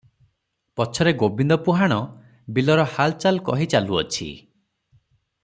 ପଛରେ ଗୋବିନ୍ଦ ପୁହାଣ ବିଲର ହାଲଚାଲ କହି ଚାଲୁଅଛି